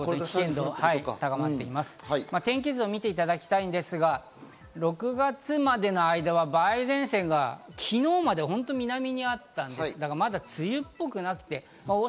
天気図を見ていただきたいんですが、６月までの間は梅雨前線が昨日まで本当、南側にあったんです。